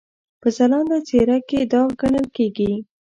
په ځلانده څېره کې داغ ګڼل کېږي.